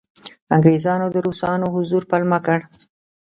انګریزانو د روسانو حضور پلمه کړ.